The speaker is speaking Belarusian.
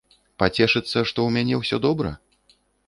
Пацешыцца, што ў мяне ўсё добра?